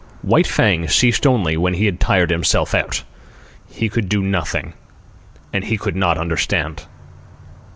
White Fang ceased only when he had tired himself out. He could do nothing, and he could not understand.